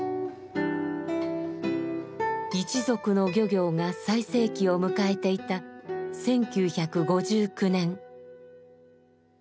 一族の漁業が最盛期を迎えていた１９５９年。